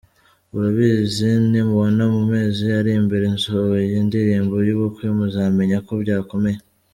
Urabizi , nimubona mu mezi ari imbere nsohoye indirimbo y’ubukwe, muzamenye ko byakomeye.